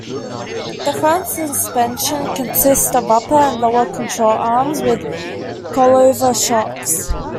The front suspension consists of upper and lower control arms with coilover shocks.